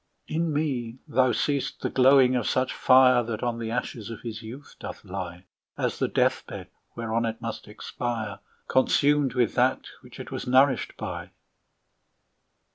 In me thou seest the glowing of such fire, That on the ashes of his youth doth lie, As the death bed, whereon it must expire, Consumed with that which it was nourished by.